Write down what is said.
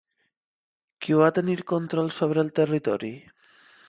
Qui va tenir control sobre el territori?